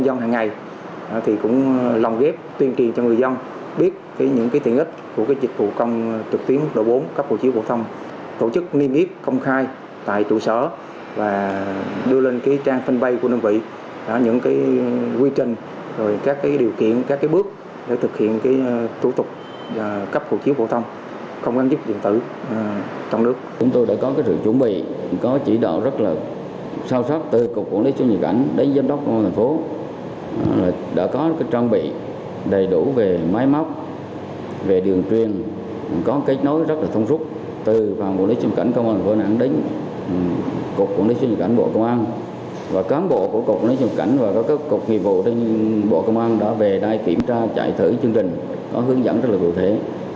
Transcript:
và cán bộ của cục quản lý sưu nhiệt ảnh và các cục nghiệp bộ bộ công an đã về đai kiểm tra chạy thử chương trình có hướng dẫn rất là cụ thể